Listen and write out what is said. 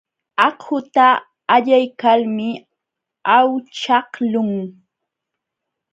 Akhuta allaykalmi awchaqlun.